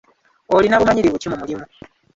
Olina bumanyirivu ki mu mulimu?